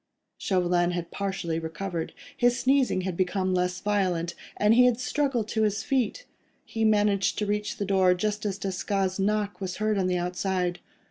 Chauvelin had partially recovered; his sneezing had become less violent, and he had struggled to his feet. He managed to reach the door just as Desgas' knock was heard on the outside.